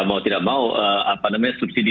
mau tidak mau apa namanya subsidi